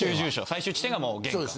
最終地点がもう玄関。